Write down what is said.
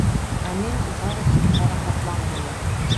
Ә мин — бары тик ҡара ҡаплан ғына.